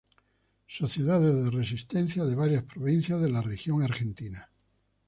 Sociedades de Resistencia de varias provincias de la Región Argentina.